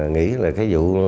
nghĩ là cái vụ